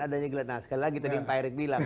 adanya gelas sekali lagi tadi pak erick bilang